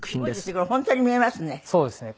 これ本当に見えますね。